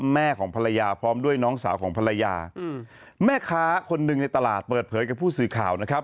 แม่ค้าคนหนึ่งในตลาดเปิดผลอะไรกับผู้สื่อข่าวนะครับ